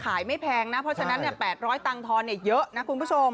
ไม่แพงนะเพราะฉะนั้น๘๐๐ตังค์ทอนเยอะนะคุณผู้ชม